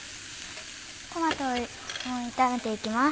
トマトも炒めていきます。